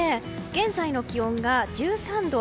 現在の気温が１３度。